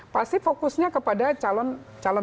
pasti fokusnya kepada calon